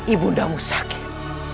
ibu undamu sakit